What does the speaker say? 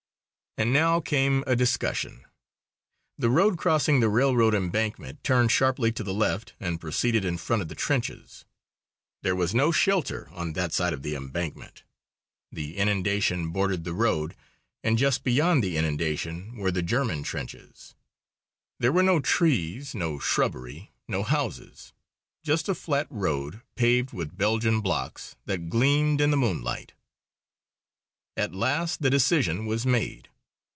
And now came a discussion. The road crossing the railroad embankment turned sharply to the left and proceeded in front of the trenches. There was no shelter on that side of the embankment. The inundation bordered the road, and just beyond the inundation were the German trenches. There were no trees, no shrubbery, no houses; just a flat road, paved with Belgian blocks, that gleamed in the moonlight. At last the decision was made.